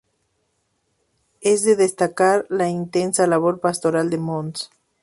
Es de destacar la intensa labor pastoral de Mons.